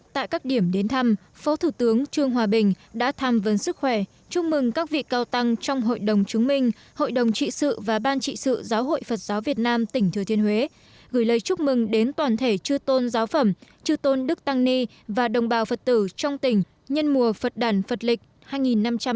tại các điểm đến thăm phó thủ tướng trương hòa bình đã tham vấn sức khỏe chúc mừng các vị cao tăng trong hội đồng chứng minh hội đồng trị sự và ban trị sự giáo hội phật giáo việt nam tỉnh thừa thiên huế gửi lời chúc mừng đến toàn thể chư tôn giáo phẩm chư tôn đức tăng ni và đồng bào phật tử trong tỉnh nhân mùa phật đản phật lịch hai nghìn năm trăm tám mươi